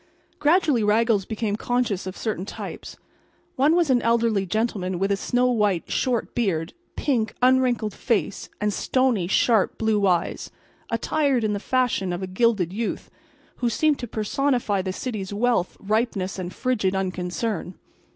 Gradually Raggles became conscious of certain types. One was an elderly gentleman with a snow white, short beard, pink, unwrinkled face and stony, sharp blue eyes, attired in the fashion of a gilded youth, who seemed to personify the city's wealth, ripeness and frigid unconcern.